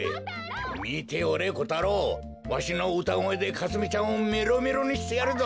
みておれコタロウ！わしのうたごえでかすみちゃんをメロメロにしてやるぞ！